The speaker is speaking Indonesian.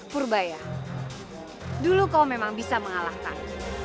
purbaya dulu kau memang bisa mengalahkan